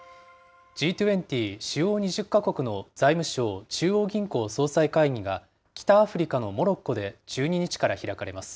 Ｇ２０・主要２０か国の財務相・中央銀行総裁会議が、北アフリカのモロッコで１２日から開かれます。